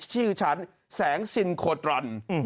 ชื่อฉันแสงซินโคตรัน